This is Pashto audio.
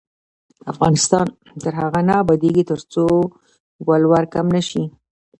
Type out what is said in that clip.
افغانستان تر هغو نه ابادیږي، ترڅو ولور کم نشي.